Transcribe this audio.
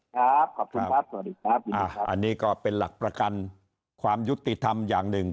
ครับขอบคุณครับสวัสดีครับอันนี้ก็เป็นหลักประกันความยุติธรรมอย่างหนึ่ง